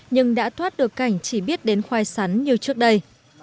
nhưng đã thoát được cảnh chỉ biết đến khoai sắn như trước đây